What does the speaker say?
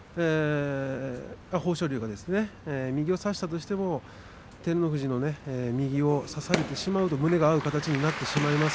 右を差しても照ノ富士の右を差されますと胸が合う形になってしまいます。